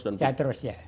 jalan terus ya